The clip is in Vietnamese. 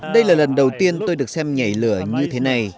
đây là lần đầu tiên tôi được xem nhảy lửa như thế này